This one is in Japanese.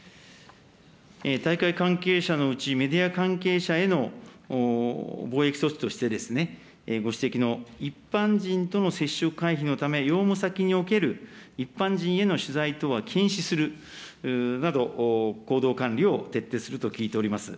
大会関係者のうち、メディア関係者への防疫措置として、ご指摘の一般人との接触回避のため、用務先における一般人への取材等は禁止するなど、行動管理を徹底すると聞いております。